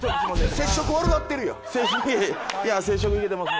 接触悪なってるやん。